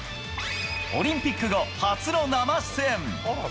オリンピック後初の生出演。